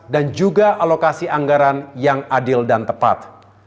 dan juga alokasi anggaran yang adil dan tepat